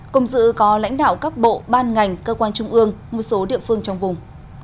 cùng dự có lãnh đạo các bộ ban ngành cơ quan trung ương một số địa phương trong vùng